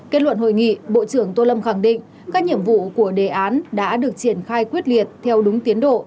kết luận hội nghị bộ trưởng tô lâm khẳng định các nhiệm vụ của đề án đã được triển khai quyết liệt theo đúng tiến độ